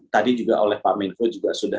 tadi juga oleh pak menko juga sudah